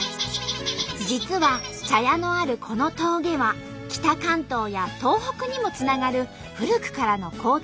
実は茶屋のあるこの峠は北関東や東北にもつながる古くからの交通の要衝。